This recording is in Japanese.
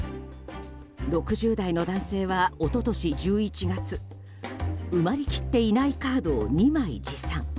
６０代の男性は、一昨年１１月埋まり切っていないカードを２枚持参。